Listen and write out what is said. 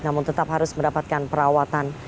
namun tetap harus mendapatkan perawatan